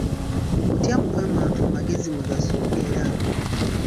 Mu kutya Mukama amagezi mwe gasookera.